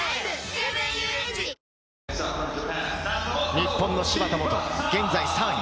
日本の芝田モト、現在３位。